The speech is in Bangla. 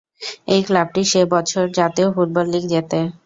এই ক্লাবটি সে বছর জাতীয় ফুটবল লিগ জেতে।